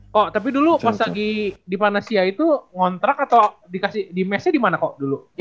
kok tapi dulu pas lagi di panesia itu ngontrak atau dikasih di mesnya di mana kok dulu